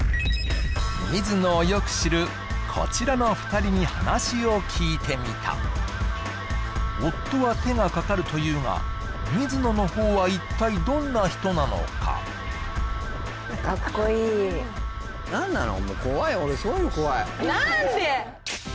水野をよく知るこちらの２人に話を聞いてみた夫は手がかかるというが水野のほうは一体どんな人なのかかっこいい何なのもう怖い俺そういうの怖い何で！